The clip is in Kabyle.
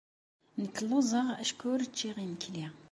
Nekk lluẓeɣ acku ur cciɣ imekli.